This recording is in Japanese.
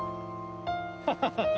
ハハハッ！